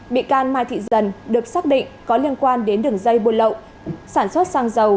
bị can mai thị dần được xác định có liên quan đến đường dây buôn lậu sản xuất xăng dầu